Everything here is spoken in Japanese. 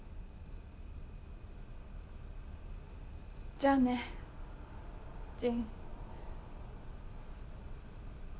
じゃあね仁。